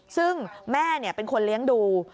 ซึ่งแม่เป็นคนเลี้ยงดู